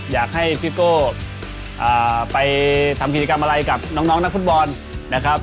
อยากให้พี่โก้ไปทำกิจกรรมอะไรกับน้องนักฟุตบอลนะครับ